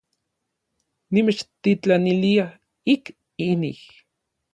Nimechtitlanilia ik inij.